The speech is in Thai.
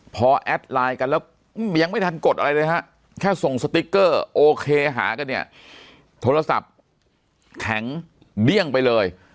พอแอดไลน์กันแล้วยังไม่ทันกดอะไรเลยฮะแค่ส่งสติ๊กเกอร์โอเคหากันเนี่ยโทรศัพท์แข็งเดี้ยงไปเลย